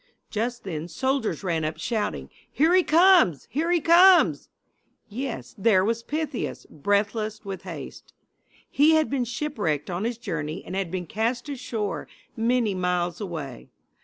Just then soldiers ran up shouting: "Here he comes! Here he comes!" Yes, there was Pythias, breathless with haste. He had been shipwrecked on his journey and had been cast ashore many miles away.